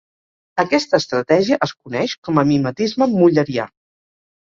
Aquesta estratègia es coneix com a mimetisme müllerià.